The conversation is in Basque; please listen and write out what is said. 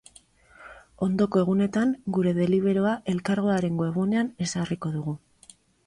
Ondoko egunetan gure deliberoa Elkargoaren webgunean ezarriko dugu.